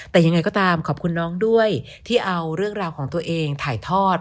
แต่ยังไงก็ตามขอบคุณน้องด้วยที่เอาเรื่องราวของตัวเองถ่ายทอด